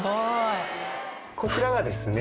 こちらがですね